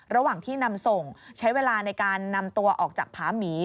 ระหว่างที่นำส่งใช้เวลาในการนำตัวออกจากผาหมี